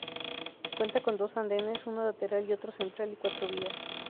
Cuenta con dos andenes, uno lateral y otro central y cuatro vías.